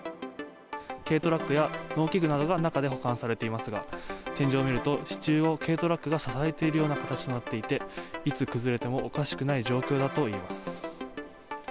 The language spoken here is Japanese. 軽トラックや農機具などが中で保管されていますが、天井を見ると支柱を軽トラックが支えているような形となっていて、いつ崩れてもおかしくない状況だといえます。